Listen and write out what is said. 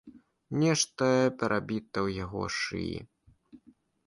Нешта перабіта ў яго шыі.